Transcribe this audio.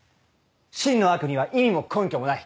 真の悪には意味も根拠もない。